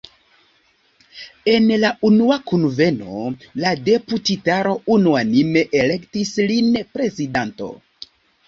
En la unua kunveno la deputitaro unuanime elektis lin prezidanto.